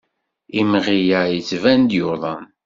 Imɣi-a yettban-d yuḍen.